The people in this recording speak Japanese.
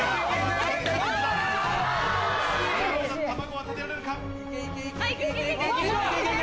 卵は立てられるか。